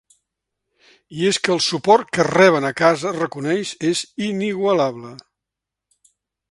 I és que el suport que reben ‘a casa’, reconeix, ‘és inigualable’.